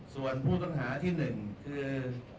ส่วนผู้ต้องหาที่๑คือ